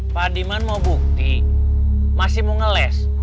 pak adiman mau bukti masih mau ngeles